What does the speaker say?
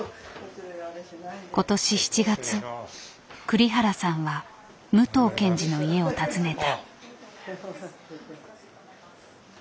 今年７月栗原さんは武藤検事の家を訪ねた。